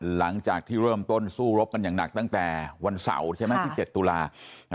หลังจากที่เริ่มต้นสู้รบกันอย่างหนักตั้งแต่วันเสาร์ใช่ไหมที่๗ตุลา